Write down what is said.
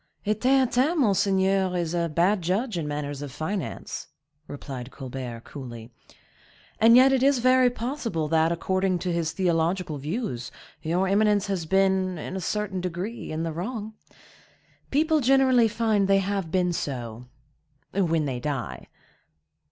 "A Theatin, monseigneur, is a bad judge in matters of finance," replied Colbert, coolly. "And yet it is very possible that, according to his theological views, your eminence has been, in a certain degree, in the wrong. People generally find they have been so,—when they die."